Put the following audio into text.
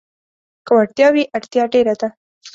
که وړتيا وي، اړتيا ډېره ده.